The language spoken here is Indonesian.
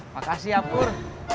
makasih ya pur